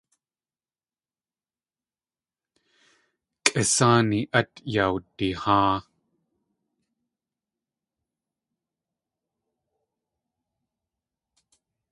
Kʼisáani át yawdiháa.